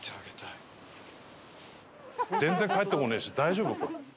全然帰ってこねえし大丈夫か？